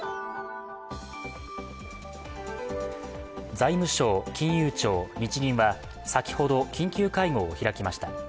財務省、金融庁、日銀は先ほど緊急会合を開きました。